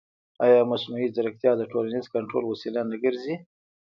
ایا مصنوعي ځیرکتیا د ټولنیز کنټرول وسیله نه ګرځي؟